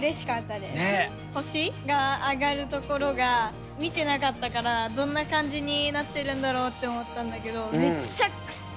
星が上がるところが見てなかったからどんな感じになってるんだろうって思ったんだけどめっちゃくちゃ